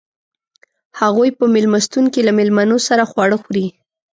هغوئ په میلمستون کې له میلمنو سره خواړه خوري.